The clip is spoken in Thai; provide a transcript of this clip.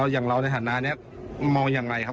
อย่างเราในฐานะนี้มองยังไงครับ